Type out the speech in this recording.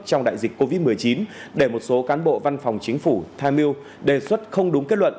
trong đại dịch covid một mươi chín để một số cán bộ văn phòng chính phủ tham mưu đề xuất không đúng kết luận